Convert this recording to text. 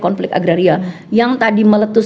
konflik agraria yang tadi meletus